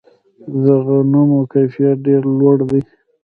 د غنمو کیفیت ډیر لوړ دی.